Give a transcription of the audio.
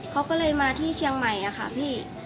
เขาก็เลยมาที่เชียงใหม่ค่ะพี่